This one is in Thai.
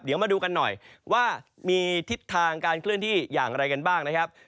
เดี๋ยวมาดูกันหน่อยว่ามีทิศทางการเคลื่อนที่อย่างไรกันบ้างนะครับ